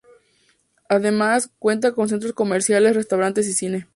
Además, cuenta con centros comerciales, restaurantes y cine.